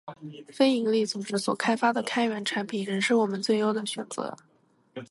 非营利组织所开发的开源产品，仍是我们最优的选择